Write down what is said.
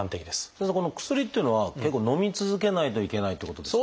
先生この薬というのは結構のみ続けないといけないってことですか？